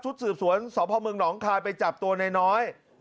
ชุดสืบสวนสพมหลคายไปจับตัวน้อยน้อยนะครับ